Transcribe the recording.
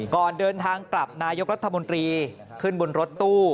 ก่อนเดินทางกลับนายกรัฐมนตรีขึ้นบนรถตู้